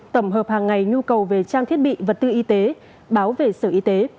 tổng hợp hàng ngày nhu cầu về trang thiết bị vật tư y tế báo về sở y tế